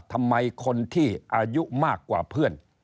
ทำไมคนที่อายุมากกว่าเพื่อน